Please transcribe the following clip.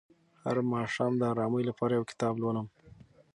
هر ماښام د ارامۍ لپاره یو کتاب لولم.